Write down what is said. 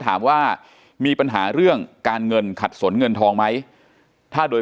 ถามว่ามีปัญหาเรื่องการเงินขัดสนเงินทองไหมถ้าโดย